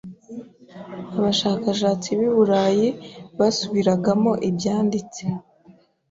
abashakashatsi b’i Burayi basubiragamo ibyanditse